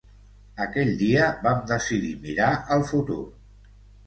Aquell dia vam decidir mirar al futur.